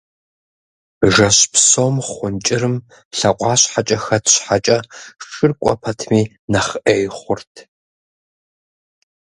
Жэщ псом хъун кӏырым лъакъуащхьэкӏэ хэт щхьэкӏэ, шыр кӏуэ пэтми нэхъ ӏей хъурт.